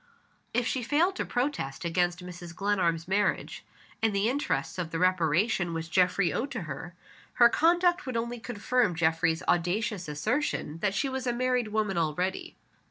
If she failed to protest against Mrs. Glenarm's marriage, in the interests of the reparation which Geoffrey owed to her, her conduct would only confirm Geoffrey's audacious assertion that she was a married woman already.